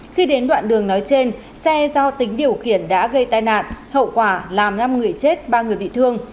khi đến đoạn đường nói trên xe do tính điều khiển đã gây tai nạn hậu quả làm năm người chết ba người bị thương